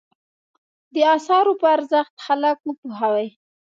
د اثارو په ارزښت خلک وپوهوي.